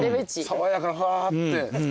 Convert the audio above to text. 爽やかふぁって。